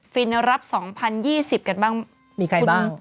ฟินรับ๒๐๒๐กันบ้างมีใครบ้าง